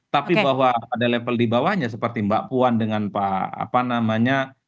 tapi bahwa pada level di bawahnya seperti mbak puan dengan pak apa namanya